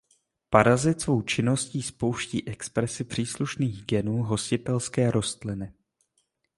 Parazit svou činností spouští expresi příslušných genů hostitelské rostliny.